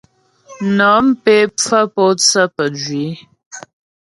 Nɔ̀m pé pfə́ pǒtsə pə́jwǐ.